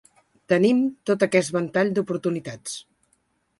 Tenim tot aquest ventall d’oportunitats.